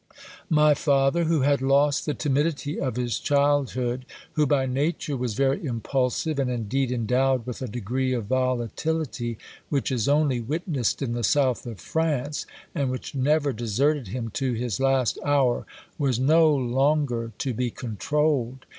My father, who had lost the timidity of his childhood, who, by nature, was very impulsive, and indeed endowed with a degree of volatility which is only witnessed in the south of France, and which never deserted him to his last hour, was no longer to be controlled.